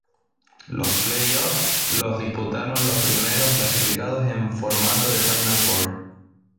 Los playoffs los disputaron los cuatro primeros clasificados en formato de final four.